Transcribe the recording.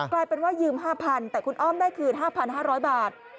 กลายเป็นว่ายืม๕๐๐๐แต่คุณอ้อมได้คืน๕๕๐๐บาท